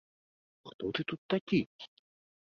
Хто ты тут такі?